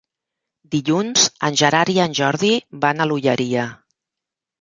Dilluns en Gerard i en Jordi van a l'Olleria.